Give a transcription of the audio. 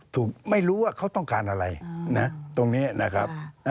ไม่รู้ว่าเขาต้องการอะไรนะตรงนี้นะครับ